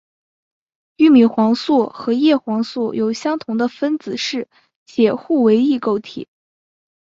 玉米黄素和叶黄素有相同的分子式且互为异构体。